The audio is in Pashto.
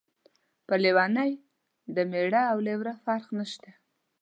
په لیونۍ د مېړه او لېوره فرق نشته.